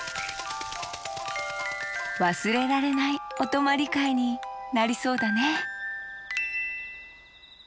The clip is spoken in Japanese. わすれられないおとまりかいになりそうだね